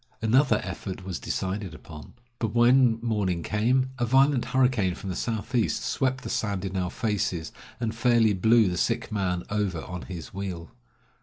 Another effort was decided upon. But when morning came, a violent hurricane from the southeast swept the sand in our faces, and fairly blew the sick man over on his wheel.